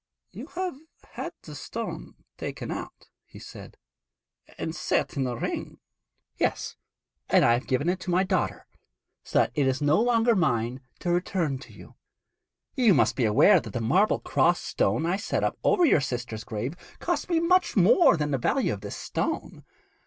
'You have had the stone taken out,' he said, 'and set in a ring.' 'Yes, and I have given it to my daughter, so that it is no longer mine to return to you. You must be aware that the marble cross stone I set up over your sister's grave cost me much more than the value of this stone.